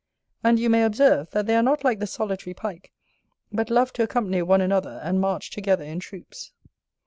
And you may observe, that they are not like the solitary Pike, but love to accompany one another, and march together in troops.